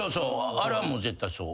あれは絶対そう。